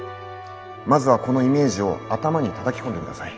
まずはこのイメージを頭にたたき込んでください。